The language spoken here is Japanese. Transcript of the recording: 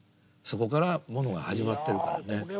そこからものが始まってるからね。